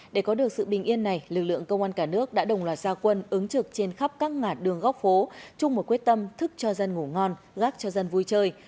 để có được sự bình yên này lực lượng công an cả nước đã đồng loạt gia quân ứng trực trên khắp các ngã đường góc phố chung một quyết tâm thức cho dân ngủ ngon gác cho dân vui chơi